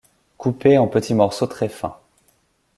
Coupés en petits morceaux très fins.